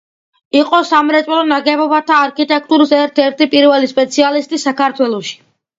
იყო სამრეწველო ნაგებობათა არქიტექტურის ერთ-ერთი პირველი სპეციალისტი საქართველოში.